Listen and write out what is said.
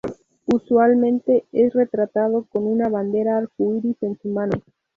Usualmente es retratado con una bandera arcoíris en su mano.